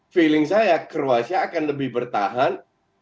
feeling saya kroasia akan lebih bertahan